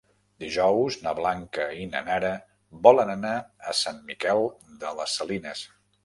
Dijous na Blanca i na Nara volen anar a Sant Miquel de les Salines.